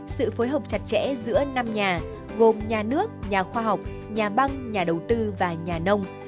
sự phối hợp chặt chẽ giữa năm nhà gồm nhà nước nhà khoa học nhà băng nhà đầu tư và nhà nông